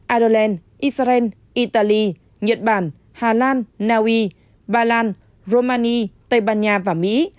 ireland israel italy nhật bản hà lan naui bà lan romani tây ban nha và mỹ